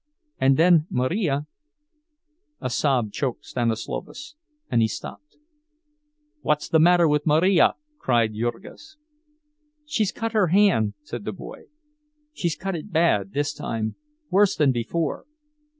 And then Marija—" A sob choked Stanislovas, and he stopped. "What's the matter with Marija?" cried Jurgis. "She's cut her hand!" said the boy. "She's cut it bad, this time, worse than before.